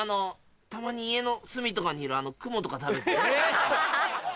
たまに家の隅とかにいるクモとか食べてます。